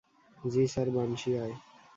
জি sir - বানশি আয়।